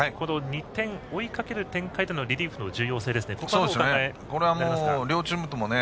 ２点を追いかける展開でのリリーフの重要性。